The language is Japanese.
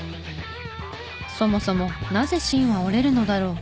そもそもなぜ芯は折れるのだろう？